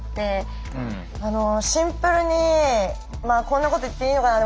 シンプルにこんなこと言っていいのかな。